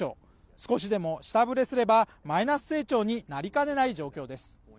少しでも下振れすればマイナス成長になりかねない状況です